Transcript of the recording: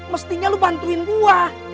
mestinya lu bantuin gua